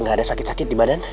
nggak ada sakit sakit di badan